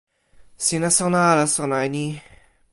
sina sona ala sona e ni?